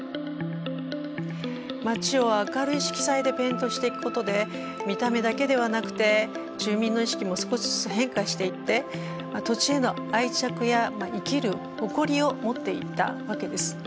街を明るい色彩でペイントしていくことで見た目だけではなくて住民の意識も少しずつ変化していって土地への愛着や生きる誇りを持っていったわけです。